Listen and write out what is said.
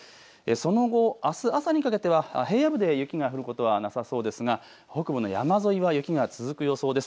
その後、あす朝にかけては平野部で雪が降ることはなさそうですが北部の山沿いは雪が続く予想です。